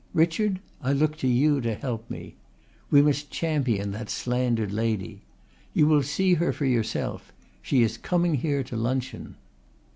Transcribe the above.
Richard, I look to you to help me. We must champion that slandered lady. You will see her for yourself. She is coming here to luncheon."